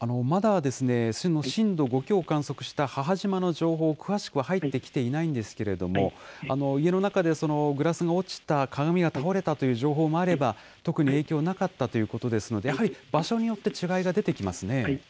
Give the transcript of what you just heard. まだ震度５強を観測した母島の情報、詳しくは入ってきていないんですけれども、家の中でグラスが落ちた、鏡が倒れたという情報もあれば、特に影響はなかったということですので、やはり場所によって違いが出てきますね。